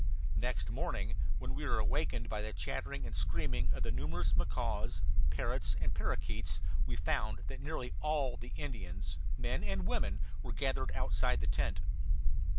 Next morning, when we were awakened by the chattering and screaming of the numerous macaws, parrots, and parakeets, we found that nearly all the Indians, men and women, were gathered outside the tent.